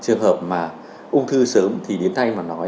trường hợp mà ung thư sớm thì đến tay mà nói